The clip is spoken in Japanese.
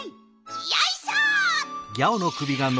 よいしょ！